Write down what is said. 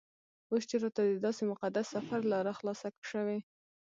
اوس چې راته دداسې مقدس سفر لاره خلاصه شوې.